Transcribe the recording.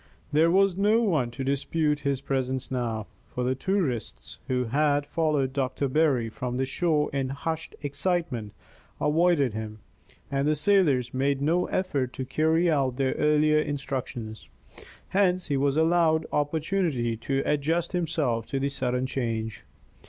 There was no one to dispute his presence now, for the tourists who had followed Doctor Berry from the shore in hushed excitement avoided him, and the sailors made no effort to carry out their earlier instructions; hence he was allowed opportunity to adjust himself to the sudden change.